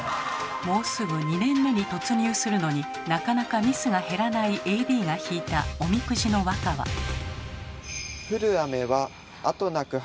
もうすぐ２年目に突入するのになかなかミスが減らないＡＤが引いたおみくじの和歌は。